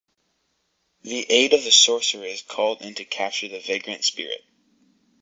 The aid of the sorcerer is called in to capture the vagrant spirit.